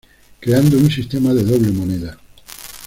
Creando un sistema de doble moneda.